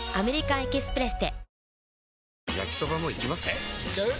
えいっちゃう？